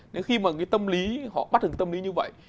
nếu khi mà cái tâm lý họ bắt được tâm lý như vậy